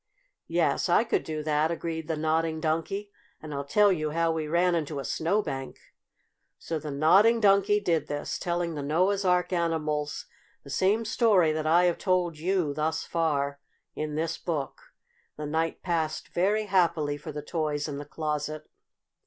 "Yes, I could do that," agreed the Nodding Donkey. "And I'll tell you how we ran into a snow bank." So the Nodding Donkey did this, telling the Noah's Ark animals the same story that I have told you, thus far, in this book. The night passed very happily for the toys in the closet.